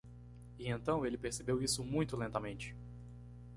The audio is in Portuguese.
E então ele percebeu isso muito lentamente.